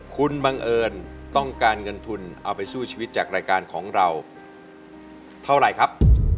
คุณบังเอิญต้องการเงินทุนเอาไปสู้ชีวิตจากรายการของเราเท่าไหร่ครับ